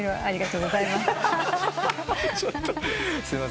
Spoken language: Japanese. ありがとうございます。